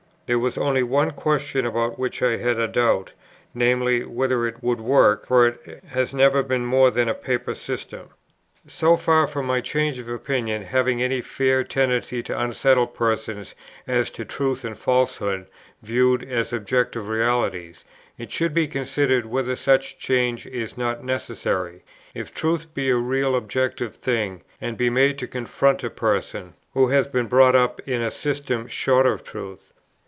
There was only one question about which I had a doubt, viz. whether it would work, for it has never been more than a paper system.... "So far from my change of opinion having any fair tendency to unsettle persons as to truth and falsehood viewed as objective realities, it should be considered whether such change is not necessary, if truth be a real objective thing, and be made to confront a person who has been brought up in a system short of truth.